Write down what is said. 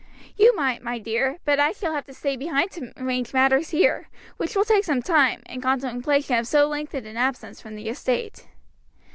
"You might, my dear; but I shall have to stay behind to arrange matters here; which will take some time, in contemplation of so lengthened an absence from the estate."